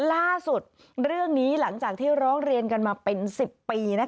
ล่าสุดเรื่องนี้หลังจากที่ร้องเรียนกันมาเป็น๑๐ปี